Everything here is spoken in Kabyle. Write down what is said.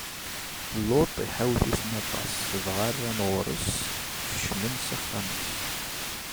Luṭ iḥawet-iten aṭas, dɣa rran ɣur-s, kecmen s axxam-is.